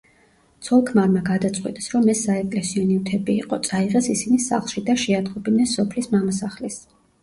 ცოლ-ქმარმა გადაწყვიტეს, რომ ეს საეკლესიო ნივთები იყო, წაიღეს ისინი სახლში და შეატყობინეს სოფლის მამასახლისს.